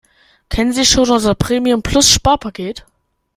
Kennen Sie schon unser Premium-Plus-Sparpaket?